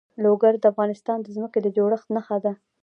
لوگر د افغانستان د ځمکې د جوړښت نښه ده.